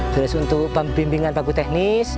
terus untuk pembimbingan baku teknis